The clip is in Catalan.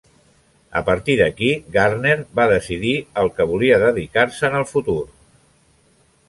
A partir d'aquí Gardner va decidir al que volia dedicar-se en el futur.